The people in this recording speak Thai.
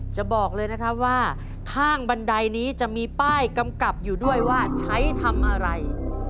จะบอกเลยนะครับว่าข้างบันไดนี้จะมีป้ายกำกับอยู่ด้วยว่าใช้ทำอะไร